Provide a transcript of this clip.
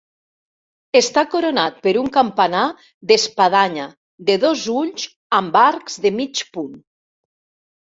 Està coronat per un campanar d'espadanya de dos ulls amb arcs de mig punt.